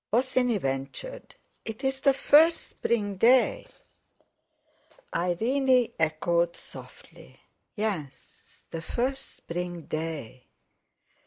Bosinney ventured: "It's the first spring day." Irene echoed softly: "Yes—the first spring day."